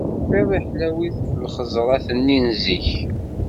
Tefciḍ i ḥlawit lxeẓrat-nni zik?!